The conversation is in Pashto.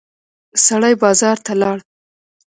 سړی بازار ته لاړ.